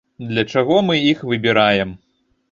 Для чаго мы іх выбіраем?